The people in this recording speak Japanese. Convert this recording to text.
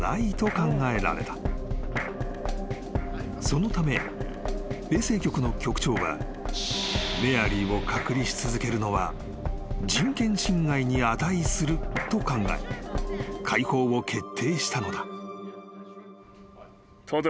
［そのため衛生局の局長はメアリーを隔離し続けるのは人権侵害に値すると考え解放を決定したのだ］